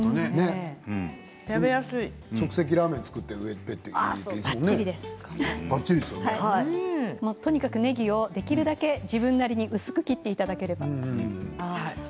即席ラーメンを作ってとにかくねぎを自分なりに薄く切っていただければ。